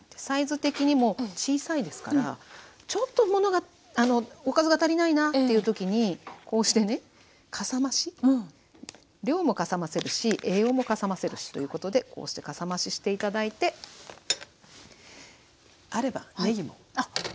サイズ的にも小さいですからちょっとものがおかずが足りないなっていう時にこうしてねかさ増し。量もかさ増せるし栄養もかさ増せるしということでこうしてかさ増しして頂いてあればねぎも。